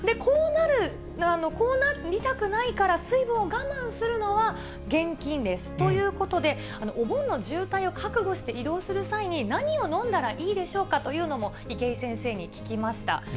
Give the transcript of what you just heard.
こうなりたくないから水分を我慢するのは厳禁です。ということで、お盆の渋滞を覚悟して移動する際に、何を飲んだらいいでしょうかというのも、池井先生に聞きました。